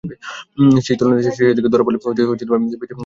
সেই তুলনায় শেষের দিকে ধরা পড়লে বেঁচে থাকার সম্ভাবনা কমে যায়।